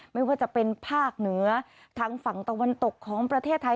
ไม่ว่าจะเป็นภาคเหนือทางฝั่งตะวันตกของประเทศไทย